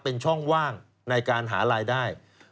เป็นช่องว่างในการหารายได้